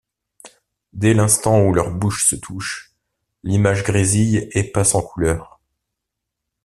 Dès l'instant où leurs bouches se touchent, l'image grésille et passe en couleurs.